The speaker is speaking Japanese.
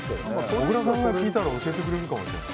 小倉さんが聞いたら教えてくれるかもしれない。